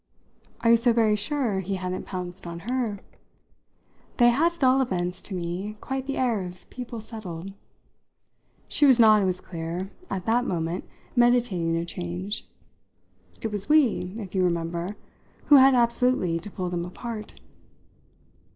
Are you so very sure he hadn't pounced on her? They had, at all events, to me, quite the air of people settled; she was not, it was clear, at that moment meditating a change. It was we, if you remember, who had absolutely to pull them apart."